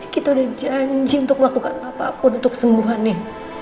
kita udah janji untuk melakukan apapun untuk kesembuhannya